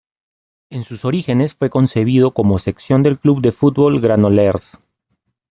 En sus orígenes fue concebido como sección del Club de Fútbol Granollers.